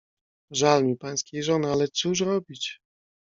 "Żal mi pańskiej żony, ale cóż robić?"